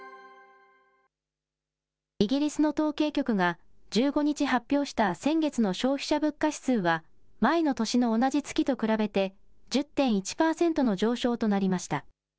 イギリスの統計局が、１５日発表した先月の消費者物価指数は、前の年の同じ月と比べて、１０．１％の上昇となりました。